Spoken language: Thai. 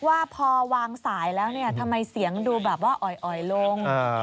ว่าพอวางสายแล้วเนี่ยทำไมเสียงดูแบบว่าอ่อยลง